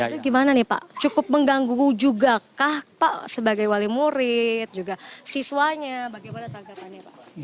ini gimana nih pak cukup mengganggu juga kah pak sebagai wali murid juga siswanya bagaimana tanggapannya pak